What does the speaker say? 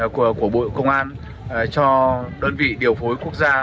của bộ công an cho đơn vị điều phối quốc gia